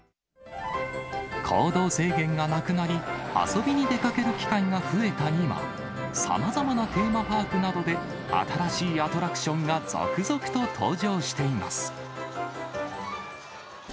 行動制限がなくなり、遊びに出かける機会が増えた今、さまざまなテーマパークなどで、新しいアトラクションが続々と登場しています。